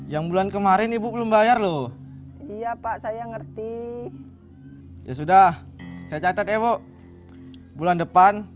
yang bulan kemarin ibu belum bayar loh iya pak saya ngerti ya sudah catat ewo bulan